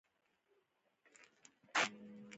هلک ورټیټ شو یو، څو لپې سایه